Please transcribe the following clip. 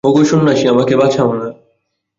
ওগো সন্ন্যাসী, আমাকে বাঁচাও না।